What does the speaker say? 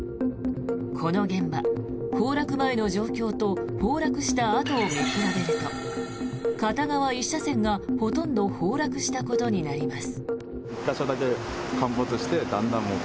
この現場、崩落前の状況と崩落したあとを見比べると片側１車線がほとんど崩落したことになります。